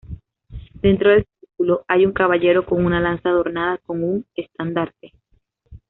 Dentro del círculo hay un caballero con una lanza adornada con un estandarte.